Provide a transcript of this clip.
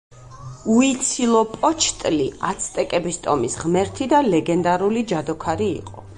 უიცილოპოჩტლი აცტეკების ტომის ღმერთი და ლეგენდარული ჯადოქარი იყო.